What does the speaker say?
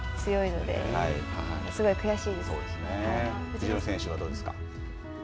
藤野選手はどうですか。